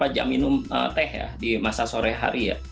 dua jam minum teh ya di masa sore hari ya